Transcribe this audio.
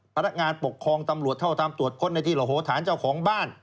พนักงานปกครองตำรวจเท่าทำตรวจค้นในที่ระโหฐานเจ้าของบ้าน